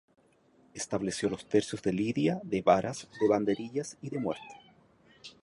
Estableció los tercios de la lidia, de varas, de banderillas y de muerte.